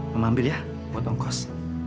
mama ambil ya buat ongkos